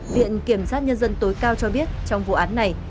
viện kiểm sát nhân dân tối cao cho biết trong vụ án này